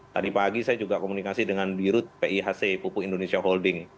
tadi pagi saya juga komunikasi dengan dirut pihc pupuk indonesia holding